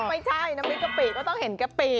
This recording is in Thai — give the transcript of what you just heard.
ไม่ใช่น้ำพริกกะปิก็ต้องเห็นกะปิ